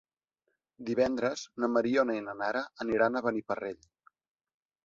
Divendres na Mariona i na Nara aniran a Beniparrell.